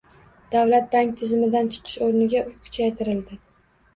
Davlat bank tizimidan chiqish o'rniga, u kuchaytirildi